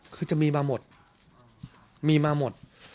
คือจะมีมาหมดมีมาหมด